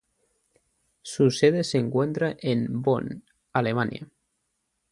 Su sede se encuentra en Bonn, Alemania.